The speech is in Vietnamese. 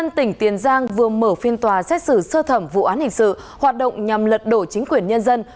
công an tỉnh tiền giang vừa mở phiên tòa xét xử sơ thẩm vụ án hình sự hoạt động nhằm lật đổ chính quyền nhân dân